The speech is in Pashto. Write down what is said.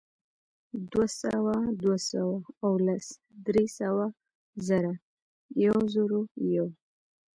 دوهسوه، دوه سوه او لس، درې سوه، زر، یوزرویو